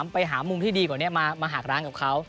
ไปหามุมที่ดีกว่านี้มาหากร้างกับเขา